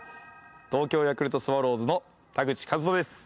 東京ヤクルトスワローズの田口麗斗です。